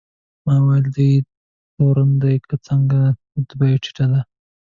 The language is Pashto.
ما وویل: دی تورن دی که څنګه؟ رتبه یې ټیټه ده.